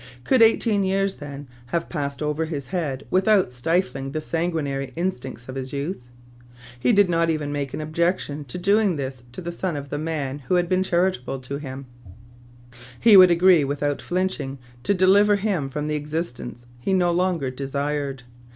Could eighteen years, then, have passed over his head without stifling the san guinary instincts of his youth ? He did not even make an objection to doing this to the son of the man who had been charitable to him. He would A SERIOUS PROPOSITION. §5 agree, without flinching, ta deliver him from the existence he no longer desired.